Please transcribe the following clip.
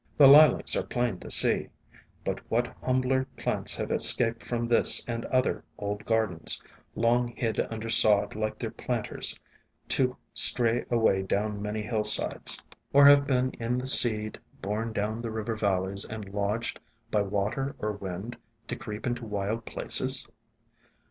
The Lilacs are plain to see; but what hum 68 ESCAPED FROM GARDENS bier plants have escaped from this and other old gardens, long hid under sod like their planters, to stray away down many hillsides, or have been in the seed borne down the river valleys and lodged by water or wind to creep into wild places?